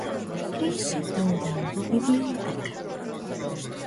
Решив да одам во библиотека.